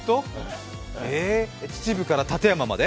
えー、秩父から館山まで？